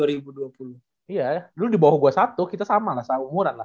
iya lu dibawah gue satu kita sama lah seumuran lah